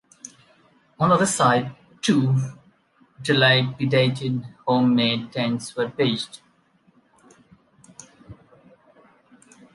On the other side two dilapidated home-made tents were pitched.